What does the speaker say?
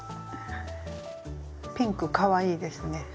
ピンクかわいいですね！